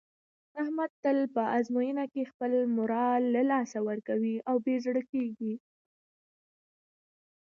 احمد تل په ازموینه کې خپل مورال له لاسه ورکوي او بې زړه کېږي.